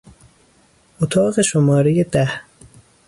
اتاق شمارهی ده